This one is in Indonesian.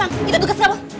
memang kita dukes kamu